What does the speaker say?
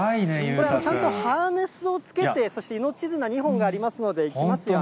ちゃんとハーネスをつけて、そして命綱２本がありますので、いきますよ。